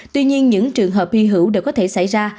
tuy nhiên những trường hợp hy hữu đều có thể xảy ra